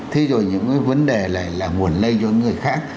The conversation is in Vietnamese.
thế rồi những cái vấn đề là nguồn lây cho người khác